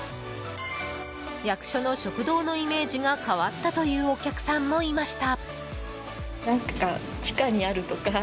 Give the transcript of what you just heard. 役所の食堂のイメージが変わったというお客さんもいました。